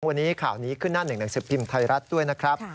วันนี้ข่าวนี้ขึ้นหน้าน๑๑๑สิบพิมพ์ไทยรัฐด้วยนะครับ